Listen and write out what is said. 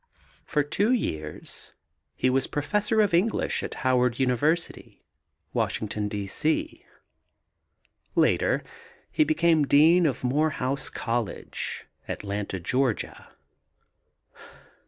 For two years he was professor of English at Howard University, Washington, D.C. Later he became dean of Morehouse College, Atlanta, Ga.